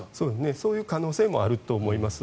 そういう可能性もあると思います。